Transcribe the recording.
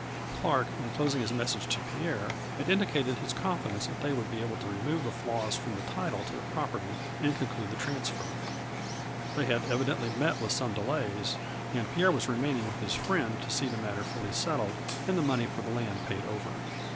Clark, in closing his message to Pierre had indicated his confidence that they would be able to remove the flaws from the title to the property, and conclude the transfer. They had evidently met with some delays, and Pierre was remaining with his friend to see the matter fully settled, and the money for the land paid over.